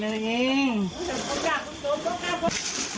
ได้เลย